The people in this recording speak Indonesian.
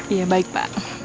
iya baik pak